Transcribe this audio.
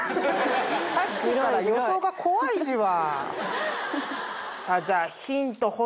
さっきから予想が怖いじわ。